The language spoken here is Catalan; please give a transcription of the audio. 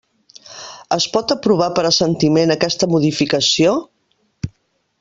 Es pot aprovar per assentiment aquesta modificació?